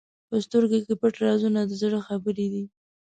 په سترګو کې پټ رازونه د زړه خبرې دي.